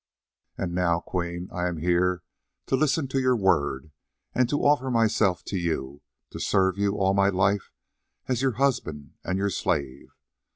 "And now, Queen, I am here to listen to your word, and to offer myself to you, to serve you all my life as your husband and your slave.